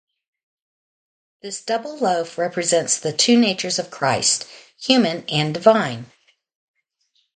This double-loaf represents the two natures of Christ: human and divine.